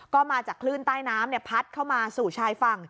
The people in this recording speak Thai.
ก็มาจากคลื่นใต้น้ำพัดเข้ามาสู่ชายฝั่ง